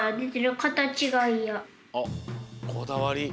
あっこだわり。